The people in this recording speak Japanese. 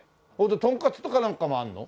トンカツとかなんかもあるの？